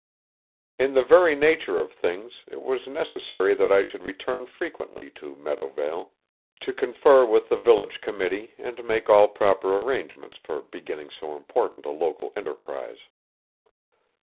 In the very nature of things it was necessary that I should return frequently to Meadowvale, to confer with the village committee and make all proper arrangements for beginning so important a local enterprise.